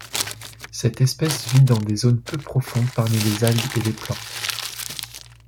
Cette espèce vit dans des zones peu profondes parmi les algues et les plantes.